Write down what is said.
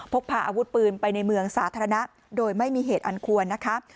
พกพาอาวุธปืนไปในเมืองสาธารณะโดยไม่มีเหตุอันควรนะคะ